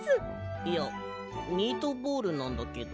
いやミートボールなんだけど。